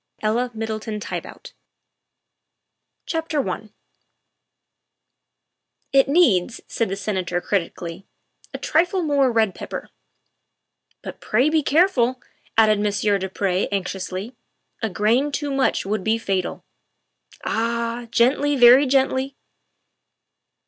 ELLA MIDDLETON TYBOUT. THE WIFE of the SECRETARY OF STATE i " IT needs," said the Senator critically, " a trifle more red pepper." " But pray be careful," added Monsieur du Pre anx iously, " a grain too much would be fatal. Ah! Gently very gently."